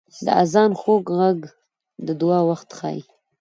• د آذان خوږ ږغ د دعا وخت ښيي.